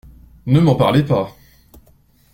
Ne m'en parlez pas !